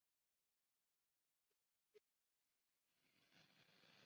La novela tuvo un largo período de gestación.